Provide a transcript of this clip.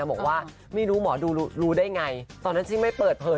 บอกว่าไม่รู้หมอดูรู้ได้ไงตอนนั้นที่ไม่เปิดเผย